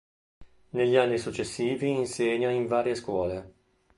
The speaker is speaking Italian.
Negli anni successivi insegna in varie scuole.